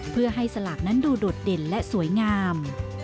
เพื่อให้สลากนั้นดูโดดเด่นและสวยงาม